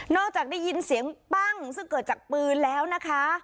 จากได้ยินเสียงปั้งซึ่งเกิดจากปืนแล้วนะคะ